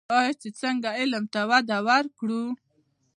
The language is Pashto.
آیا چې څنګه علم ته وده ورکړو؟